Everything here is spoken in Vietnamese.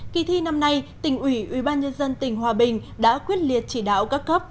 kỳ thi năm nay tỉnh ủy ubnd tỉnh hòa bình đã quyết liệt chỉ đạo các cấp